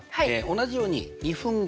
同じように２分後。